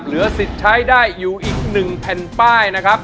เหลือสิทธิ์ใช้ได้อยู่อีก๑แผ่นป้ายนะครับ